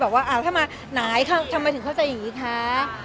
ถ้ามาไหนคะทำไมถึงเข้าใจอย่างนี้คะ